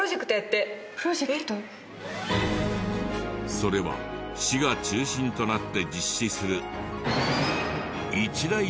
それは市が中心となって実施する。